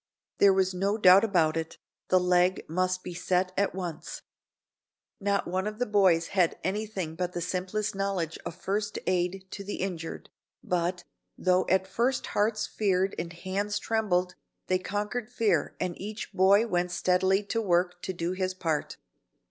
There was no doubt about it, the leg must be set at once. Not one of the boys had anything but the simplest knowledge of first aid to the injured, but, though at first hearts feared and hands trembled, they conquered fear and each boy went steadily to work to do his part.